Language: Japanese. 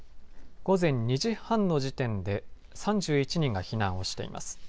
午前２時半の時点で３１人が避難をしています。